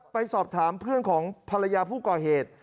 ไปสอบถามเพื่อนของภรรยาผู้ก่อเหตุ